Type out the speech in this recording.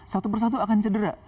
satu persatu akan cedera